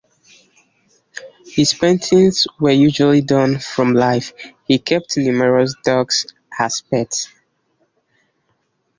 His paintings were usually done from life; he kept numerous dogs as pets.